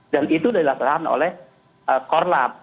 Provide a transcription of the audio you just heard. dan itu dilaksanakan oleh korlab